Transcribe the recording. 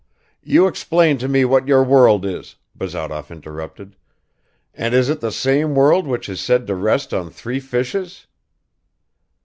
." "You explain to me what your world is," Bazarov interrupted, "and is it the same world which is said to rest on three fishes?"